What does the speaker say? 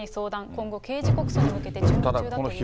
今後、刑事告訴に向けて準備中だということです。